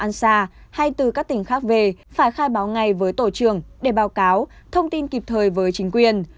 làm ăn xa hay từ các tỉnh khác về phải khai báo ngay với tổ trưởng để báo cáo thông tin kịp thời với chính quyền